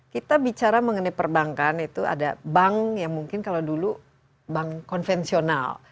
kita bicara mengenai perbankan itu ada bank yang mungkin kalau dulu bank konvensional